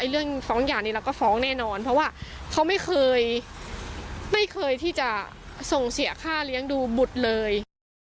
เรื่องฟ้องหย่านี้เราก็ฟ้องแน่นอนเพราะว่าเขาไม่เคยไม่เคยที่จะส่งเสียค่าเลี้ยงดูบุตรเลย